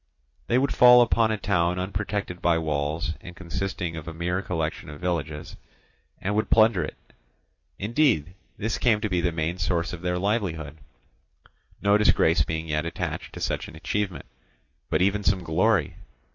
They would fall upon a town unprotected by walls, and consisting of a mere collection of villages, and would plunder it; indeed, this came to be the main source of their livelihood, no disgrace being yet attached to such an achievement, but even some glory.